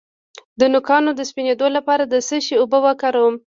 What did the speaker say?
د نوکانو د سپینیدو لپاره د څه شي اوبه وکاروم؟